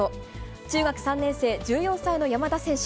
中学３年生、１４歳の山田選手。